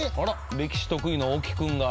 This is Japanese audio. ・歴史得意の大木君が。